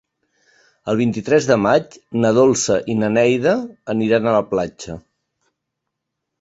El vint-i-tres de maig na Dolça i na Neida aniran a la platja.